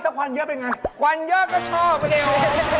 ถ้าควันเยอะเป็นอย่างไรควันเยอะก็ชอบไม่ได้เอาให้เค็มเลย